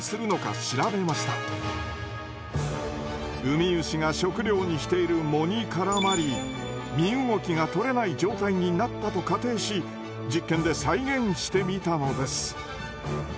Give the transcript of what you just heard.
ウミウシが食料にしている藻にからまり身動きが取れない状態になったと仮定し実験で再現してみたのです。